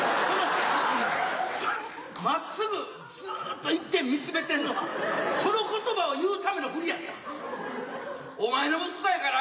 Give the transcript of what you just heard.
そのまっすぐずっと一点見つめてんのはその言葉を言うための振りやったん？